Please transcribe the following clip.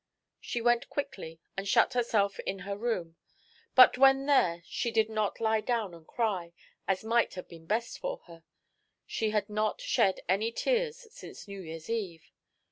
She went quickly and shut herself in her room. But when there she did not lie down and cry, as might have been best for her; she had not shed any tears since New Year's Eve.